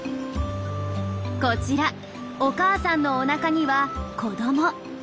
こちらお母さんのおなかには子ども。